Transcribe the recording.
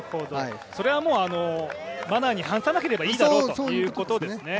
それはもうマナーに反さなければいいだろうということですね。